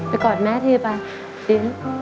ไปกอดแม่ดีกว่าดินไป